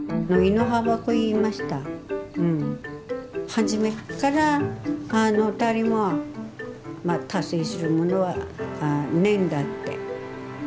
初めっから誰も達成するものはねえんだって。